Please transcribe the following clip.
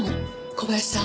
小林さん